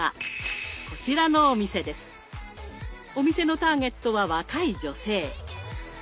お店のターゲットは若い女性。